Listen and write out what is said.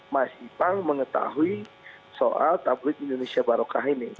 mas ibang mengetahui soal tabloid indonesia baroka ini